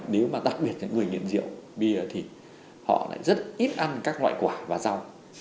nếu mà đặc biệt là người nghiện rượu bia thì họ lại rất ít ăn các loại quả và rau